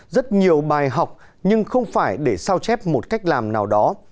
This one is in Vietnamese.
các quốc gia cần học nhưng không phải để sao chép một cách làm nào đó